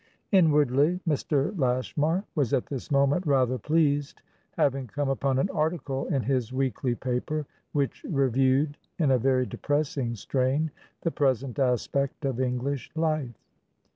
Inwardly, Mr. Lashmar was at this moment rather pleased, having come upon an article in his weekly paper which reviewed in a very depressing strain the present aspect of English life.